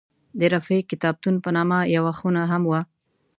د رفیع کتابتون په نامه یوه خونه هم وه.